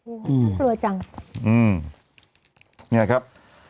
เออเปลือกจังอืมนี่นะครับ